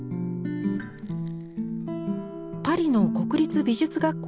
パリの国立美術学校